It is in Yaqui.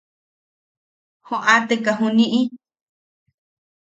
¡Joʼateka juniʼi!